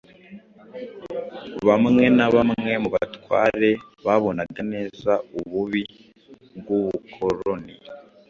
Bamwe na bamwe mu batware babonaga neza ububi bw'ubukoloni